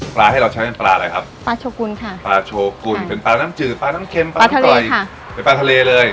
ที่เราใช้เป็นปลาอะไรครับปลาโชกุลค่ะปลาโชกุลเป็นปลาน้ำจืดปลาน้ำเค็มปลาน้ำกรอยค่ะเป็นปลาทะเลเลย